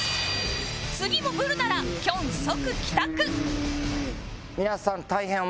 次もブルならきょん即帰宅